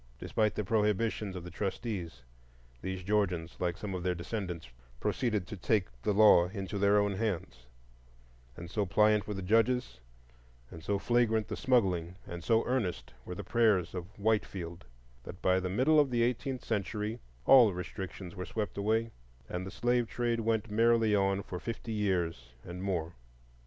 Despite the prohibitions of the trustees, these Georgians, like some of their descendants, proceeded to take the law into their own hands; and so pliant were the judges, and so flagrant the smuggling, and so earnest were the prayers of Whitefield, that by the middle of the eighteenth century all restrictions were swept away, and the slave trade went merrily on for fifty years and more.